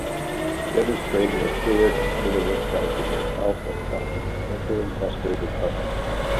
Demonstrating a clear competitive advantage will help attract potential investors and customers.